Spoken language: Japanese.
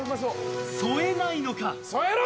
添えないのか？